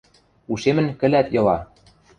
Ушемӹн кӹлӓт йыла.